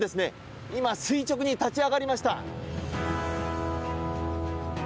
今、垂直に立ち上がりました。